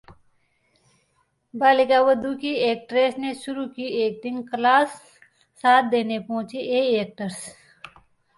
बालिका वधू की एक्ट्रेस ने शुरू की एक्टिंग क्लास, साथ देने पहुंचे ये एक्टर्स